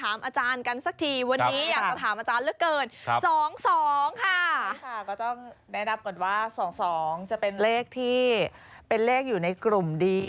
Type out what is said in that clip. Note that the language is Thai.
อาจารย์นี่ยิ้มเหงือกมากเลย